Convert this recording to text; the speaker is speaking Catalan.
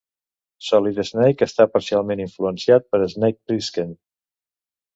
Solid Snake està parcialment influenciat per Snake Plissken.